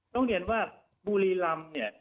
ต้องเรียนว่าบุรีรำเนี่ย